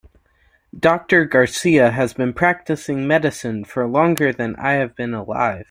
Doctor Garcia has been practicing medicine for longer than I have been alive.